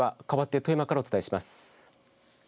かわって富山から伝えします。